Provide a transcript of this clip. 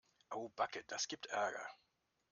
Au backe, das gibt Ärger.